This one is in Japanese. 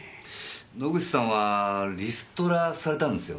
野口さんはリストラされたんですよね？